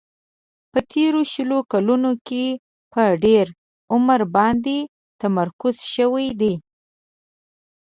په تیرو شلو کلونو کې په ډېر عمر باندې تمرکز شوی دی.